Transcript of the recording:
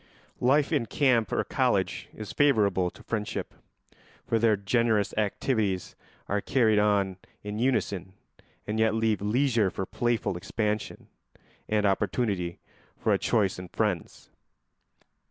Life in camp or college is favourable to friendship, for there generous activities are carried on in unison and yet leave leisure for playful expansion and opportunity for a choice in friends.